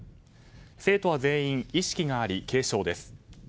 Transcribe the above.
生徒は全員意識があり、軽症です。